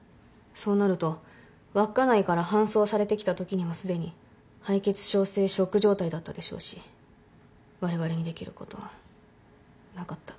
そうなると稚内から搬送されてきたときにはすでに敗血症性ショック状態だったでしょうしわれわれにできることはなかった。